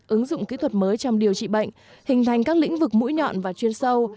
ứng dụng kỹ thuật mới trong điều trị bệnh hình thành các lĩnh vực mũi nhọn và chuyên sâu